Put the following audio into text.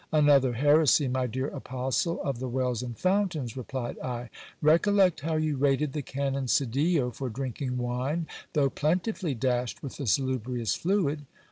Another heresy, my dear apostle of the wells and fountains ! replied I. Recollect how you rated the canon Sedillo for drinking wine, though plentifully dashed with the salubrious fluid.